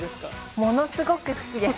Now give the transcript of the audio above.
ものすごく好きです。